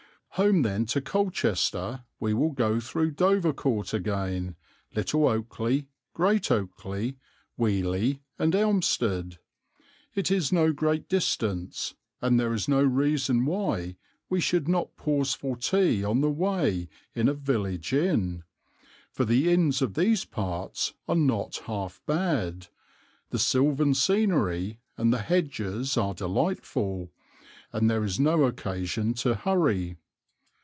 Home then to Colchester we will go through Dovercourt again, Little Oakley, Great Oakley, Weeley, and Elmstead. It is no great distance, and there is no reason why we should not pause for tea on the way in a village inn; for the inns of these parts are not half bad, the silvan scenery and the hedges are delightful, and there is no occasion to hurry.